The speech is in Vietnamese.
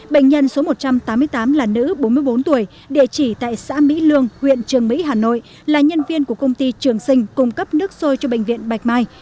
bệnh nhân số một trăm tám mươi tám là nữ bốn mươi bốn tuổi địa chỉ tại xã mỹ lương huyện trường mỹ hà nội là nhân viên của công ty trường sinh cung cấp nước sôi cho bệnh viện bạch mai